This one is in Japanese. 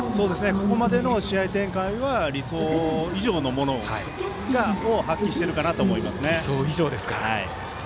ここまでの試合展開は理想以上のものを発揮していると思いますね。